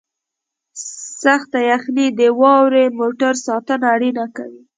سخته یخنۍ د واورې موټر ساتنه اړینه کوي